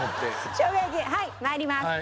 しょうが焼きはい参ります。